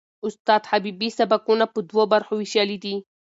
استاد حبیبي سبکونه په دوو برخو وېشلي دي.